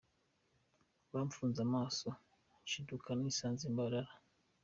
Bamfunze amaso nshiduka nisanze i Mbarara.